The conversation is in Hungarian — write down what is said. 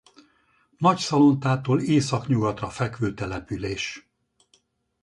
Nagyszalontától északnyugatra fekvő település.